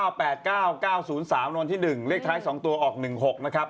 วันที่๑เลขท้าย๒ตัวออก๑๖นะครับ